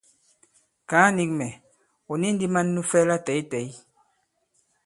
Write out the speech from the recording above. Kàa nīk mɛ̀: ɔ̀ ni ndī man nu fɛ latɛ̂ytɛ̌y?